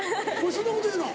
そんなこと言うの。